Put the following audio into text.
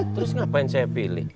terus ngapain saya pilih